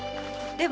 でも！